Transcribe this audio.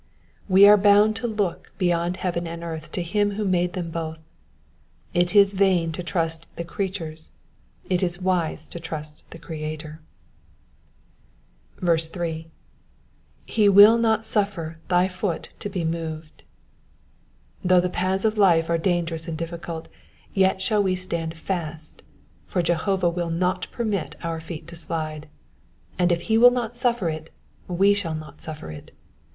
We are bound to look beyond heaven and earth to him who made them both : it is vain to trust the creatures : it is wise to trust the Creator. 8. ^^He will not wffer thy foot to he moved. '''^ Though the paths of life are dangerous and difficult, yet we shall stand fast, for Jehovah will not peimit our feet to slide ; and if he will not sufifer it we shall not suffer it.